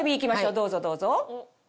どうぞどうぞ。